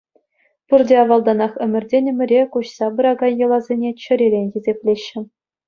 Пурте авалтанах ӗмӗртен ӗмӗре куҫса пыракан йӑласене чӗререн хисеплеҫҫӗ.